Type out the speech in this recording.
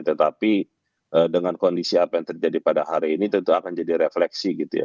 tetapi dengan kondisi apa yang terjadi pada hari ini tentu akan jadi refleksi gitu ya